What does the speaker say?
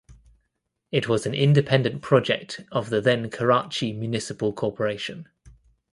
It was an independent project of the then Karachi Municipal Corporation.